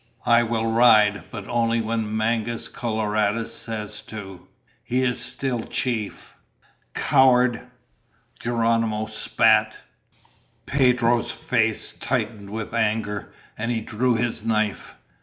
"I will ride, but only when Mangus Coloradus says to. He is still chief." "Coward!" Geronimo spat. Pedro's face tightened with anger, and he drew his knife.